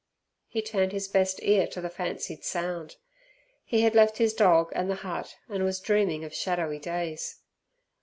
He turned his best ear to the fancied sound. He had left his dog and the hut, and was dreaming of shadowy days.